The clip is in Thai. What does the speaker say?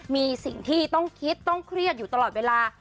มีสิ่งที่ต้องคิดต้องเครียดอยู่ตลอดเวลา